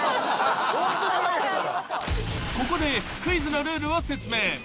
［ここでクイズのルールを説明］